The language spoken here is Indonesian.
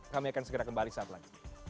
kami akan segera kembali saat lagi